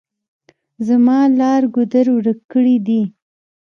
زما لار ګودر ورک کړي دي.